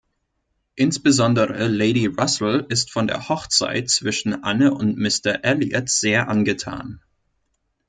Insbesondere Lady Russell ist von der Hochzeit zwischen Anne und Mr Elliot sehr angetan.